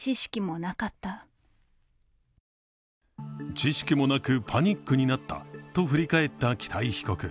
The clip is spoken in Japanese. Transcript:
知識もなく、パニックになったと振り返った北井被告。